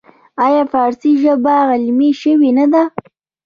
آیا فارسي ژبه علمي شوې نه ده؟